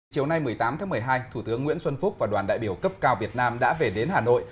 chiều nay một mươi tám tháng một mươi hai thủ tướng nguyễn xuân phúc và đoàn đại biểu cấp cao việt nam đã về đến hà nội